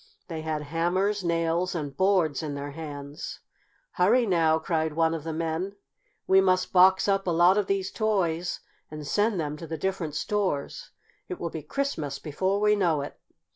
They had hammers, nails and boards in their hands. "Hurry now!" cried one of the men. "We must box up a lot of these toys and send them to the different stores. It will be Christmas before we know it."